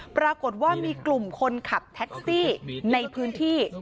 ปรากฏว่ามีกลุ่มคนขับแท็กซี่ในพื้นที่